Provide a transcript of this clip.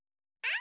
あ！